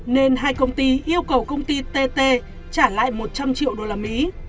nên hai công ty yêu cầu công ty tt trả lại một trăm linh triệu usd